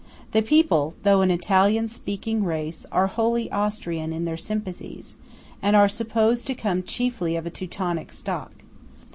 The people, though an Italian speaking race, are wholly Austrian in their sympathies, and are supposed to come chiefly of a Teutonic stock.